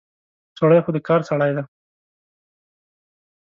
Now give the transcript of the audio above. سړی خو د کار سړی دی.